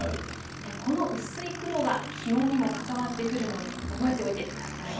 この薄い雲が気温にも関わってくるので覚えておいてください。